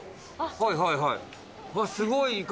はいはいはい。